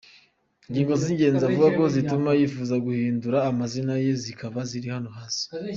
Ingingo z’ingenzi avuga ko zituma yifuza guhindura amazina ye zikaba ziri hano hasi:.